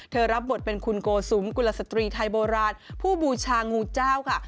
รับบทเป็นคุณโกสุมกุลสตรีไทยโบราณผู้บูชางูเจ้าค่ะ